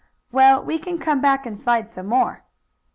"Well, we can come back and slide some more."